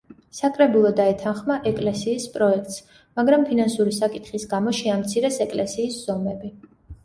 საკრებულო დაეთანხმა ეკლესიის პროექტს, მაგრამ ფინანსური საკითხის გამო შეამცირეს ეკლესიის ზომები.